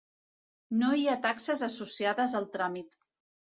No hi ha taxes associades al tràmit.